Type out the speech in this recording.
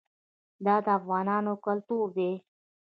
دا د افغانانو کلتور دی.